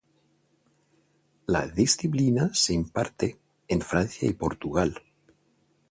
La disciplina se imparte en Francia y Portugal.